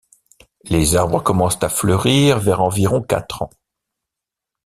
Les arbres commencent à fleurir vers environ quatre ans.